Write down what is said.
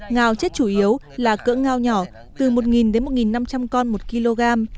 ngao chết chủ yếu là cỡ ngao nhỏ từ một đến một năm trăm linh con một kg